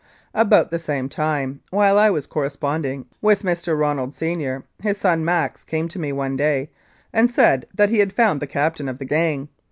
About the same time, while I was corresponding with Mr. Ronald, Senior, his son Max came to me one day and said that he had found the captain of the gang.